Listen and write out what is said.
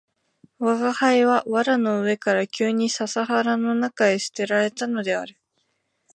吾輩は藁の上から急に笹原の中へ棄てられたのである